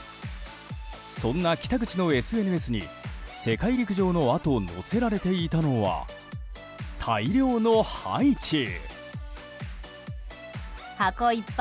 そんな北口のＳＮＳに世界陸上のあと載せられていたのは大量のハイチュウ。